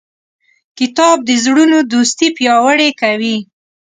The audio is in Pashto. کتاب د زړونو دوستي پیاوړې کوي.